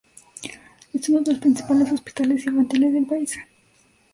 Es uno de los principales hospitales infantiles del país.